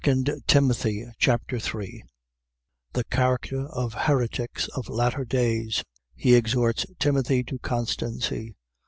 2 Timothy Chapter 3 The character of heretics of latter days. He exhorts Timothy to constancy.